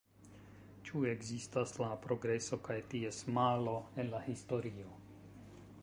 Ĉu ekzistas la progreso kaj ties malo en la historio?